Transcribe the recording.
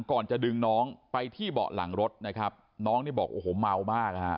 ก่อนจะดึงน้องไปที่เบาะหลังรถนะครับน้องนี่บอกโอ้โหเมามากฮะ